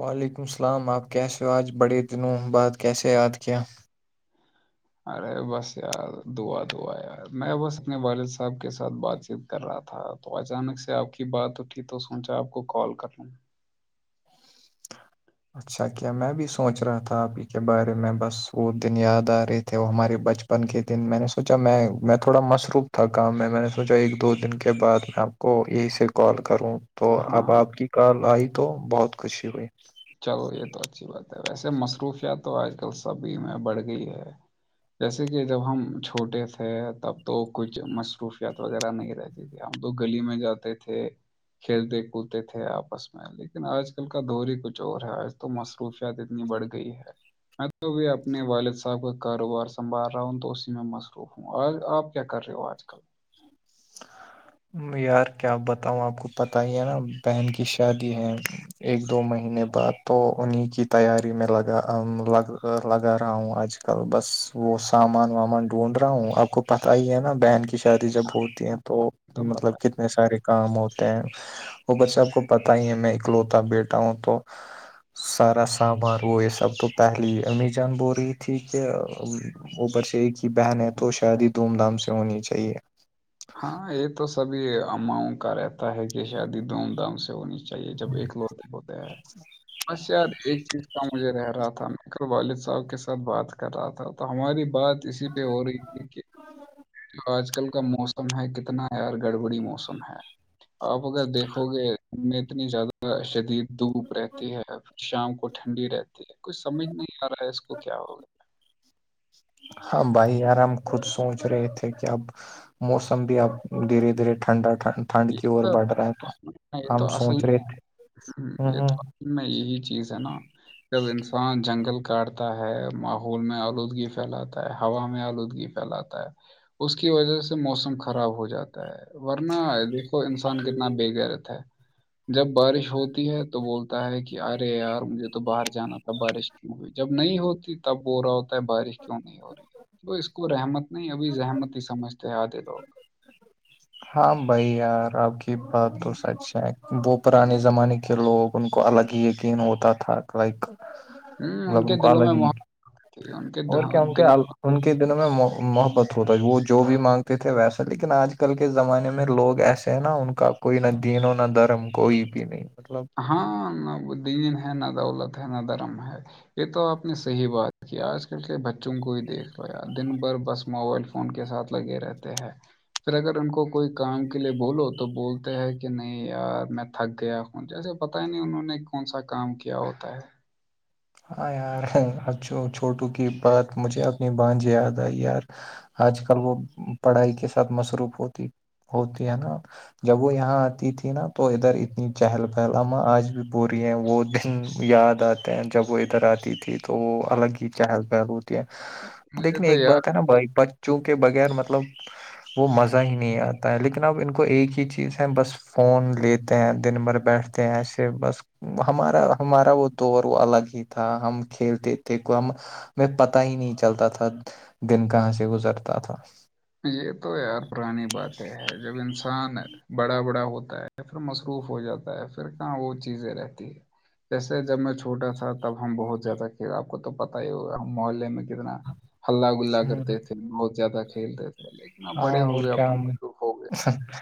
وعلیکم السلام آپ کیسے ہو آج بڑے دنوں بعد کیسے یاد کیا ارے بس یار دعا دعا یار میں بس اپنے والد صاحب کے ساتھ بات چیت کر رہا تھا تو اچانک سے آپ کی بات اٹھی تو سوچا آپ کو کال کر لوں [inaudible] اچھا کیا میں بھی سوچ رہا تھا آپ ہی کے بارے میں بس وہ دن یاد آ رہے تھے وہ ہمارے بچپن بچپن کے دن میں نے سوچا میں میں تھوڑا مصروف تھا کام میں میں نے سوچا ایک دو دن کے بعد میں کو یہیں سے کال کروں تو ہاں اب آپ کی کال آئی تو بہت خوشی ہوئی چلو یہ تو اچھی بات ہے ویسے مصروفیات تو آج کل سبھی میں بڑھ گئی ہے جیسے کہ جب ہم چھوٹے تھے تب تو کچھ مصروفیات وغیرہ نہیں رہتی ہم تو گلی میں جاتے تھے کھیلتے کودتے تھے آپس میں لیکن آج کل کا دور ہی کچھ چور ہے آ تو مصروفیات اتنی بڑھ گئی ہے میں توب اپنے والد صاحب کا کاروبار سنبھال رہا ہوں تو اسی میں مصروف آج آپ کیا کر رہے ہو آج کل یار کیا بتاؤں آپ کو پتا ہی ہے نا بہن کی شادی ہے ایک دو مہینے بعد تو انہیں کی تیاری میں لگا لگا رہا ہوں آج کل بس وہ سامان وامان ڈھونڈ رہا ہوں آپ کو پتا ہی ہے نا بہن کی شادی جب ہوت ہاں، تو مطلب کتنے نے سارے کام ہوتے ہیں وہ بس اپ کو پتا ہی ہے میں اکلوتا بیٹا ہوں تو سارا سامان وہ یہ سب تو پہلے امی جان بول رہی تھی کہ اوپر سے ایک ہی بہن ہے تو شادی دھوم دھام سے ہونی چاہیے ہاں یہ تو سبھی اماؤں کا رہتا ہے کہ شادی دھوم دھام سے ہونی چاہی چاہے جب اکلوتے ہوتے ہیں بس یار ایک چیز مجھے رہ رہا تھا میں کل والد صاحب کے ساتھ بات کر رہا تھا تو ہماری بات اسی پہ ہو رہی تھی دیکھیے آج کل کا موسم ہے کتنا یار گڑبڑی موسم ہے آپ اگر دیکھو گے میں اتنی زیادہ شدید دھوپ رہتی ہے شام کو ٹھنڈی رہتی ہے کچھ سمجھ نہیں آ رہا ہے اس کو کیا ہوگا ہاں بھائی یار ہم خود سوچ رہے تھے کہ اب موسم بھی اب دھیرے دھیرے ٹھنڈا ٹھنڈ یہ ٹھنڈ کی اور تو بڑھ رہا ہے تو یہ ہم تو اصل سوچ رہے تھے میں یہ ہوں تو میں یہی چیز ہے نا جب انسان جنگل کاٹتا ہے ماحول میں آلودگی پھیلاتا ہے ہوا میں آلودگی پھیلاتا ہے اس کی وجہ سے موسم خراب ہو جاتا ہے ورنہ دیکھو انسان کتنا بے غیرت ہے جب بارش ہوتی ہے تو بولتا ہے کہ ارے یار مجھے تو باہر جانا تھا بارش جب نہیں ہوتی تب بول رہا ہوتا ہے بارش کیوں نہیں ہو رہی ہے اس کو رحمت نہیں ابھی زحمت ہی سمجھتے ہیں آدھے لوگ ہاں بھائی یار آپ کی بات تو سچ ہے وہ پرانے زمانے کے لوگ ان کو الگ ہی یقین ہوتا تھا لائک ہوں ملگ کے ان کو دلوں الگ میں ہی محبت تھی ان کے اور کیا دہ- ان کے دلوں ان کے دنوں میں محبت ہوتا ہے وہ جو بھی مانگ تھے ویسا لیکن آج کل کے زمانے میں لوگ ایسے ہیں نا ان کا کوئی نہ دینوں نہ دھرم کوئی بھی نہیں مطلب ہاں نہ وہ دین ہے نہ دولت ہے نہ دھرم ہے یہ تو آپ نے صحیح بات کی آج کل کے بچوں کو ہی دیکھ لا دن بھر بس موبائل فون فون کے ساتھ لگے رہتے ہیں پھر اگر ان کو کوئی کام کے لیے بولو تو بولتے ہے کہ نہیں یار میں تھک گیا جیسے پتا ہی نہیں انہوں نے کون سا کام کیا ہوتا ہے ہاں یار اب چھوٹو کی بات مجھے اپنی بھانجی یاد آئی یار آج کل وہ پڑھائی کے ساتھ مصروف ہوتی ہوتی ہے نا جب وہ یہاں آتی تھی نا تو ادھر اتنی چہل پہل اما آج بھی بول رہی ہیں وہ دن یاد آتے ہیں جب وہ ادھر آتی تھی تو وہ الگ ہی چہل پہل ہو تی مجھے لیکن تو ایک یار بات ہے نا بھائی بچوں کے بغیر مطلب وہ مزہ ہی نہیں آتا ہے لیکن اب ان کو ایک ہی چیز ہے بس فون لیتے ہیں دن بھر بیٹھتے ہیں ایسے بس ہمارا ہمارا وہ دور وہ الگ ہے تھا ہم کھیلتے تھے میں پتا ہی نہیں چلتا تھا دن کہاں سے گزرتا تھاس یہ تو یار پرانی باتیں ہے جب انسان بڑا بڑا ہوتا ہے یا پھر مصروف ہو جاتا ہے پھر کہاں وہ چیزیں رہتی ہے جیسے جب میں چھوٹا تھا تب ہم بہت زیادہ کھیل آپ کو تو پتتا ہی ہوگا ہم محلے میں کتنا ہلہ گلا ہوں، کرتے تھے بہت زیادہ کھیلتے تھے لیکن اب بڑے ہاں ہو اور گئے اب کیا تو میں مصروف ہو گئے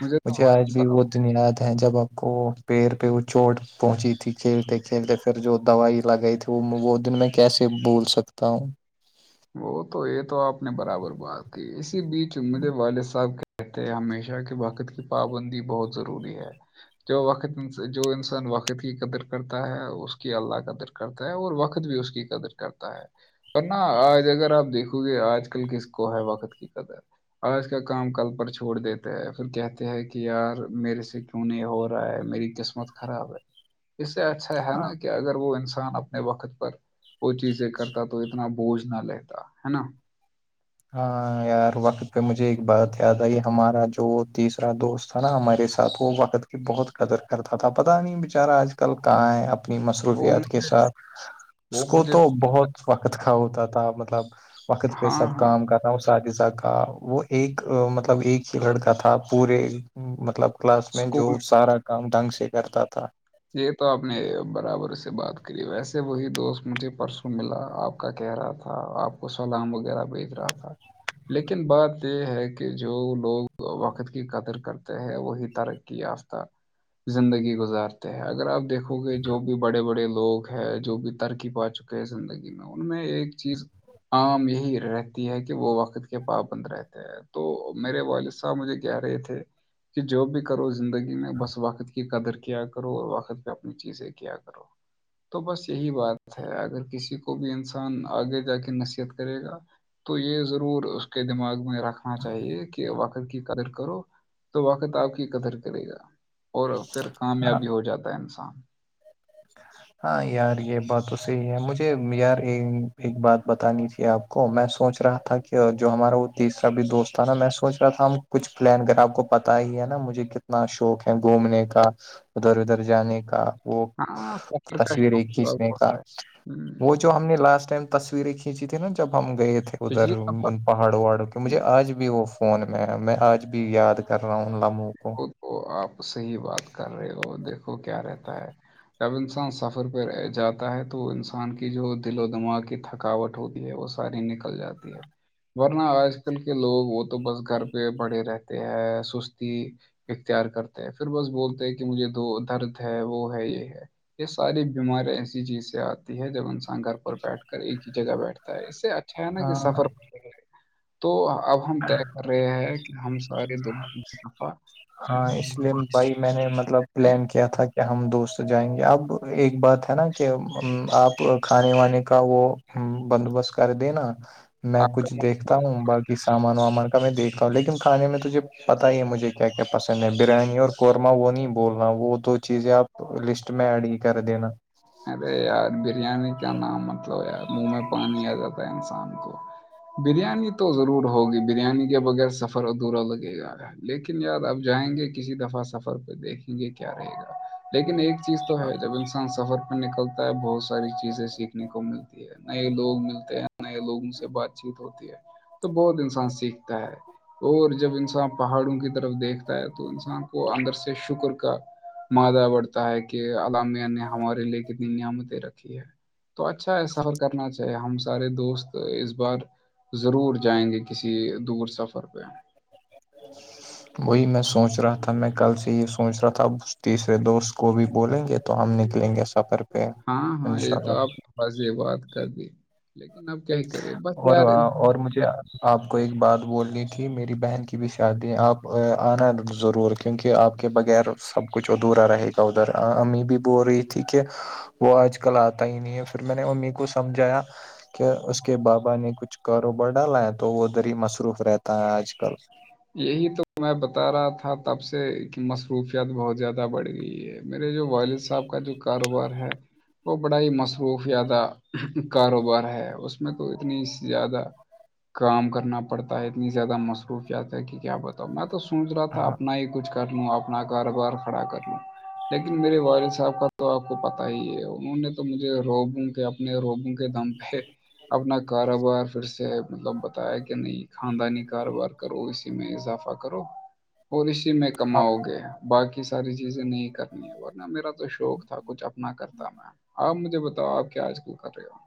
مجھے یہ آج تو بھی وہ دنیاد ہے جب آپ کو پیڑ پہ وہ چوٹ پہنچی تھی کھیلتے پھر جو دوائی لگائی تھی وہ وہ دن میں کیسے بھول سکتا ہوں وہ تو یہ تو آپ نے برابر بات کی اسی بیچ امید والد صاحب کے کہتے ہمیشہ کے وقت کی پابندی بہت ضروری ہے جو وقت جو انسان وقت کی قدر کرتا ہے اس کی اللہ قدر کرتا ہے اور وقت بھی اس کی قدر کرتا ہے ورنہ اگر آپ دیکھو گے آج کل کس کو ہے وقت کی قدر آج کا کام کل پر چھوڑ دیتا ہے پھر کہتے ہیں کہ یار میرے سے کیوںنے ہو رہا ہے میری قسمت خراب ہے اس سے اچھا ہے ہاں نا کہ اگر وہ انسان اپنے وقت پر وہ چیزیں کرتا تو اتنا بوجھ نہ لیتا ہے نا ہاں یار وقت پہ مجھے ایک بات یاد آئی ہمارا جو تیسرا دوست تھا نا ہمارے ساتھ وہ وقت کی بہت قدر کرتا تھا پتا نہیں بیچارا آج کل کہاں ہے اب اپنی وہ مصروفیات کے ساتھ اس وہ کو مجھے تو بہت وقت کا ہوتا تھا مطلب وقت پہ ہاں سب ہاں تھا اساتذہ کا وہ ایک مطلب ایک ہی لڑکا تھا پورے مطلب کلاس میں جو اسکول سارا کام ڈھنگ سے کرتا تھا یہ تو آپ نے برابر سے بات کری ویسے وہی دوست مجھے پرسوں ملا آپ کا کہہ رہا تھا آپ کو سلام وغیرہ بھیچ رہا تھا لیکن بات یہ ہے کہ جو لوگ وقت کی قدر کرتے ہیں وہی طارک یافتہ زندگی گزار اگر آپ دیکھو گے جو بھی بڑے بڑے لوگ ہیں جو بھی ترکی پا چکے ہیں زندگی میں ان میں ایک چیز عام یہی رہتی ہے کہ وہ وقت کے پابند رہتے تو میرے والد صاحب مجھے کہہ رہے تھے کہ جو بھی کرو زندگی میں بس وقت کی قدر کیا کرو اور وقت بھی اپنی چیز ہے کیا کرو تو بس یہی بات ہے اگر کسی کو بھی انسان آگے جا کے نصیحت کرے گا تو یہ ضرور اس کے دماغ میں رکھنا چاہیے کہ وقر کی قدر کرو تو واقعت آپ کی قدر کرے گا اور پھر کامیابی ہو جاتا ہے انسان ہاں یار یہ بات تو صحیح ہے مجھے یار ایک بات بتانی تھی آپ کو میں سوچ رہا تھا کہ جو ہمارا وہ تیسرا بھی دوست تھا نا میں سوچ رہا تھا کچھ پلان کر آپ کو پتا ہی ہے نا مجھے کتنا شوق ہے گھومنے کا ادھر ادھر جانے کا وہ ہاں سفر کا شوق تصویریں تو آپ کھینچنے کو کا ہے ہوں، وہ جو ہم نے لاسٹ ٹائم تصویریں کھینچی تھی نا جب ہم گئے تھے پچھلی ادھر سفر پہاڑوں وہاڑوں پہ مجھے آج بھی وہ فون میں میں آج بھی یاد کر رہا ہوں ان لمحوں کو وہ آپ سے ہی بات کر رہے ہو دیکھو کیا رہتا ہے اب انسان سفر پہ جاتا ہے تو انسان کی جو دل و دماغ کی تھکاوٹ ہوتی ہے وہ ساری نکل جاتی ہے ورنہ آج کل کے لوگ وہ تو بس گھر پہ بڑے رہتے ہیں سستی اختیار کرتے ہیں پھر بس بولتے ہیں کہ مجھے دو درد ہے وہ ہے یہ ہے یہ ساری بیماری ایسی چیز سے آتی ہے جب انسان گھر پر بیٹھ کر ایک ہی جگہ بیٹھتا اس سے اچھا ہے نا کہ ہاں سفر تو اب ہم طے کر رہے ہیں کہ ہم سارے دوست ہاں اس لیے بھائی میں نے مطلب پلان کیا تھا کہ ہم دوست جائیں گے اب ایک بات ہے نا کہ آپ کھانے وانے کا وہ بندوبست کر دینا میں آپ کا- کچھ دیکھتا ہوں باقی سامان وامان کا میں دیکھتا ہوں لیکن کھانے میں تو تجھے پتا ہے مجھے کیا کیا پسند ہے بریانی اور قورمہ وہ نہیں بولنا وہ دو چیزیں آپ لسٹ میں ایڈ ہی کر دین ارے یار بریانی کیا نام مطلب یار منہ میں پانی آ جاتا ہے انسان کو بریانی تو ضرور ہوگی بریانی کے بغیر سفر ادھورا لگے گا لیکن یار اب جائیں گے کسی دفعہ سفر پہ دیکھیں گے کیا رہے گا لیکن ایک چیز تو ہے جب انسان سفر پر نکلتا ہے بہت ساری چیزیں سیکھنے کو ملتی ہے نئے لوگ ملتے ہیں نئے لوگوں سے بات چیت ہوتی ہے تو بہت انسان سیکھتا ہے اور جب انسان پہاڑوں کی طرف دیکھتا ہے تو انسان کو اندر سے شکر کا مادہ بڑھتا ہے کہ علامیہ نے ہمارے لیے دن نعمتیں رکھی ہے تو اچھا ہے سفر کرنای ہم سارے دوست اس بار ضرور جائیں گے کسی دور سفر پہ ہاں وہی میں سوچ رہا تھا میں کل سے یہ سوچ رہا تھا ا تیسرے دوست کو بھی بولیں گے تو ہم نکلیں گے سفر پہ ہاں ہاں یہ انشاء تو اللہ آپ نے بس یہ بات کر دی لیکن اب کیا ہی کرے بس اور یار اور مجھے آپ کو ایک بات بولنی تھی میری بہن کی بھی شادی آپ آنا ضرور کیونکہ آپ کے بغیر سب کچھ ادھورا رہے گا ادھر امی بھی بول رہی تھی کہ وہ آج کل آتا ہی نہیں ہے پھر میں نے امی کو سمجھایا کہ اس اس کے بابا نے کچھ کاروبار ڈالا ہے تو وہ ادھر ہی مصروف رہتا ہے آج کل یہی تو میں بتا رہا تھا تب سے کہ مصروفیات بہت زیادہ بڑھ گئی ہے میرے جو والد صاحب کا جو کاروبار ہے وہ بڑا ہی مصروفیادہ کاروبار ہے اس میں تو اتنی زیادہ کام کرنا پڑتا ہے اتنی زیادہ مصروف کیا تھا کہ کیا بتاؤ میں تو سوچ رہا تھا اپنا ہی کچھ کر لوں اپنا کاروبار کھڑا کر لوں لیکن میرے والد صاحب کا تو آپ کو پتا ہی ہے انہوں نے تو مجھے روبوں کہ اپنے روگوں کے دم پہ اپنا کاروبار پھر سے مطلب بتایا کہ نہیں خاندانی کاروبار کرو اسی میں اضافہ کرو اور اسی میں کماؤ گے باقی ساری چیزیں نہیں کرنی ہے ورنہ میرا تو شوق تھا کچھ اپنا کرتا میں آپ مجھے بتاؤ آپ کیا آج کل کر رہے ہو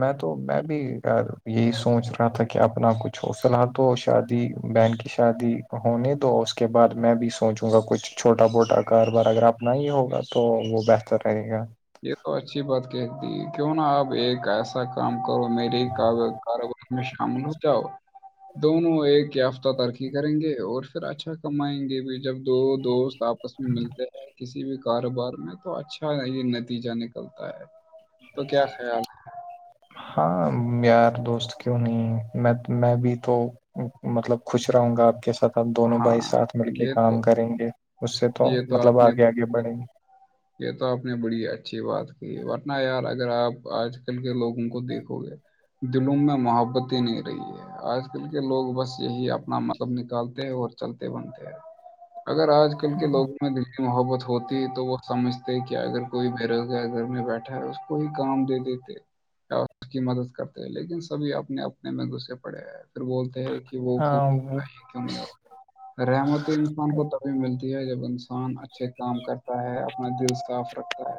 میں تو میں بھی یہی سوچ رہا تھا کہ اپنا کچھ ہو فی الحال تو شادی بہن کی شادی ہونے تو اس کے بعد میں بھی سوچوں گا کچھ چھوٹا موٹا کاروبار اگر اپنا ہی ہوگا تو وہ بہتر رہے گا یہ تو اچھی بات کہتی ہے کیوں نا آپ ایک ایسا کام کرو میریب شامل ہوتا ہو دونوں ایک یافتہ ترقی کریں گے اور پھر اچھا کمائیں گے بھی جب دو دوست آپس میں ملتے ہیں کسی بھی کاروبار میں تو اچھا یہ نتیجہ نکلتا ہے تو کیا خیال ہے؟ ہاں یار دوست کیوں نہیں ہے میں میں بھی تو مطلب خوش رہوں گا آپ کے ساتھ اب دونوں ہاں بھائی ساتھ مل کے یہ کام تو کریں گے اس سے تو یہ مطلب آپ نے آگے آگے بڑھیں گے یہ تو آپ نے بڑی اچھی بات کی ورنہ یار اگر آپ آج کل کے لوگوں کو دیکھو گے دلوں میں محبت ہی نہیں رہی ہے آج کل کے لوگ بس یہی اپنا مطلب نکالتے ہیں اور چلتے بنتے ہیں اگر آج کل کے لوگوں میں دل کی محبت ہوتی ہے تو وہ سمجھتے کہ اگر کوئی بے روزگار گھر میں بیٹھا ہے اس کو ہی کام دے دیتے یا اس کی مدد کرتے ہیں لیکن سبھی اپنے اپنے میں گھسے پڑے ہیں پھر بولتے ہیں کہ ہاں وہ- [unintelligible] رحمتی انسان کو تبھی ملتی ہے جب انسان اچھے کام کرتا ہے مد صاف رکھتا ہے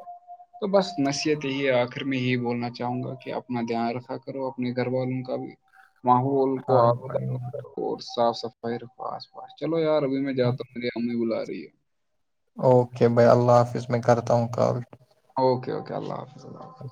تو بس نصیحت یہی ہے آخر میں یہی بولنا چاہوں گا کہ اپنا دھیان رکھا کرو اپنے گھر والوں کا بھی محول کو ہاں بھائی اور صاف صفائی پاس پاس چلو یار ابھی میں جاتا ہوں گ امی بلا رہی ہے اوکے بھائی اللہ حافظ میں کرتا ہوں کال اوکے اوکے اللہ حافظ اللہ حافظ